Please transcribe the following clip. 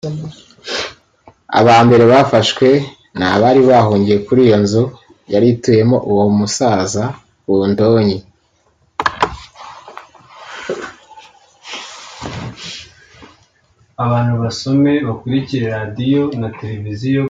Aba mbere bafashwe ni abari bahungiye kuri iyo nzu yari ituyemo uwo musaza Bundoyi